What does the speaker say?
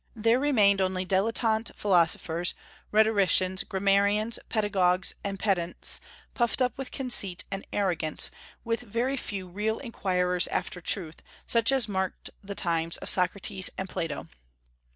There remained only dilettante philosophers, rhetoricians, grammarians, pedagogues, and pedants, puffed up with conceit and arrogance, with very few real inquirers after truth, such as marked the times of Socrates and Plato.